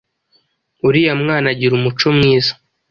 Uriya mwana agira umuco mwiza.